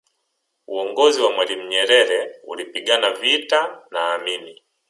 uongozi wa mwalimu nyerere ulipigana vita na amini